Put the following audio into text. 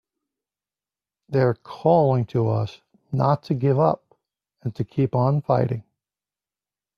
They're calling to us not to give up and to keep on fighting!